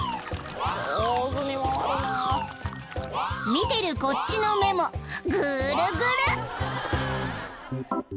［見てるこっちの目もぐーるぐる］